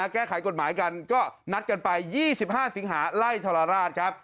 แก้ไขกฎหมายกันก็นัดกันไป๒๕สิงหาไล่ทรราชครับ